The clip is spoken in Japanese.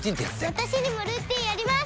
私にもルーティンあります！